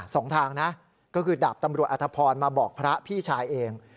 สองทางนะก็คือดาบตำรวจอธพรมาบอกพระพี่ชายเอง